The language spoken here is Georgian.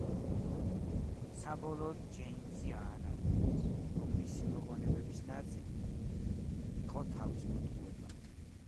საბოლოოდ, ჯეიმზი აანალიზებს, რომ მისი მოგონებების ნაწილი იყო თავის მოტყუება.